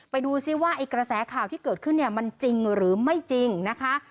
ไปดูซิว่าไอ้กระแสข่าวที่เกิดขึ้นเนี่ยมันจริงหรือไม่จริงนะคะ